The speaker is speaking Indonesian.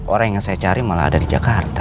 orang yang saya cari malah ada di jakarta